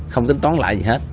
không tính toán lại gì hết